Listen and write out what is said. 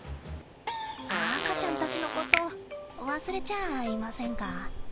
赤ちゃんたちのこと忘れちゃあいませんか？